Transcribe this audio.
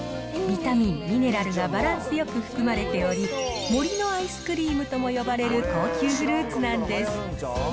ビタミン、ミネラルがバランスよく含まれており、森のアイスクリームとも呼ばれる高級フルーツなんです。